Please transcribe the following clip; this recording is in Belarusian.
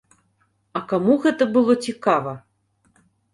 А каму гэта было цікава?